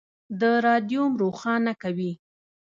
د رادیوم روښانه کوي.